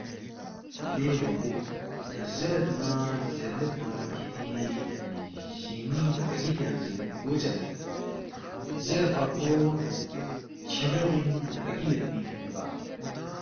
لے بونگو ، زیرید نہ زیر مید نہ کِھری جِنگمِنگ رَگی تیانگسےگو چدید زیرفا کھو چھمیوغِنگ رَگی یودپی اِنپا